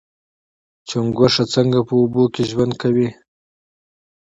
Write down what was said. چنډخه څنګه په اوبو کې ژوند کوي؟